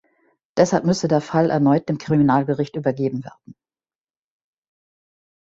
Deshalb müsse der Fall erneut dem Kriminalgericht übergeben werden.